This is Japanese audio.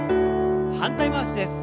反対回しです。